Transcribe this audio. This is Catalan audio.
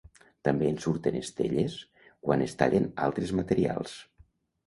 També en surten estelles quan es tallen altres materials.